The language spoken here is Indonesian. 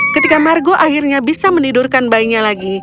ketika margo akhirnya bisa menidurkan bayinya lagi